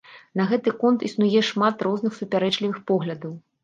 На гэты конт існуе шмат розных супярэчлівых поглядаў.